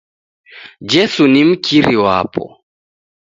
Jesu ni mkiri wapo.